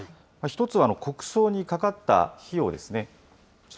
１つは国葬にかかった費用ですね。